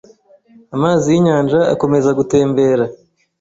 amazi y’inyanja akomeza gutembera